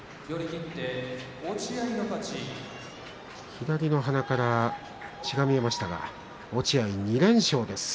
左の鼻から血が見えましたが落合は２連勝です。